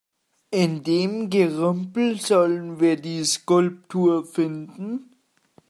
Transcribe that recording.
In dem Gerümpel sollen wir die Skulptur finden?